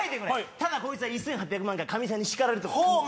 ただこいつは１８００万回かみさんに叱られとるこーお前